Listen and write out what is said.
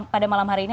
pada malam hari ini